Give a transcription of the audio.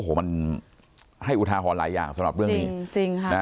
โอ้โหมันให้อุทาหอนหลายอย่างสำหรับเรื่องนี้